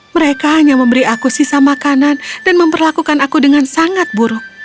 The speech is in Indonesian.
mereka hanya memberi aku sisa makanan dan memperlakukan aku dengan sangat buruk